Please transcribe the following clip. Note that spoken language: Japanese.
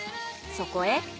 そこへ。